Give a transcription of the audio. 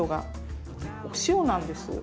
お塩なんです。